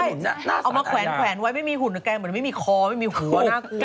เอามาแขวนไว้ไม่มีหุ่นตะแกงเหมือนไม่มีคอไม่มีหัวน่ากลัว